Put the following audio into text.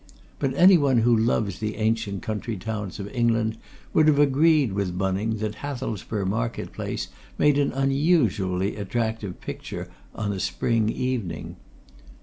But anyone who loves the ancient country towns of England would have agreed with Bunning that Hathelsborough market place made an unusually attractive picture on a spring evening.